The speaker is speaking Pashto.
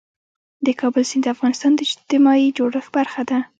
د کابل سیند د افغانستان د اجتماعي جوړښت برخه ده.